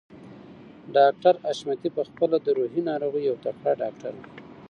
ډاکټر حشمتي په خپله د روحي ناروغيو يو تکړه ډاکټر و.